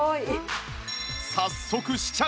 早速試着！